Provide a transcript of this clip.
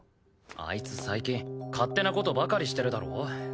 あいつ最近勝手な事ばかりしてるだろ。